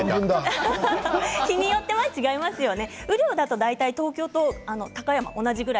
日によっても違いますよね。